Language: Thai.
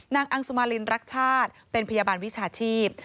อังสุมารินรักชาติเป็นพยาบาลวิชาชีพ